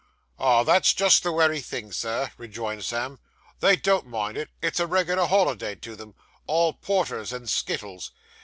'Ah, that's just the wery thing, Sir,' rejoined Sam, 'they don't mind it; it's a reg'lar holiday to them all porter and skittles.